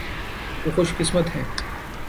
وہ خوش قسمت ہیں۔